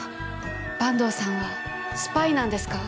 坂東さんはスパイなんですか？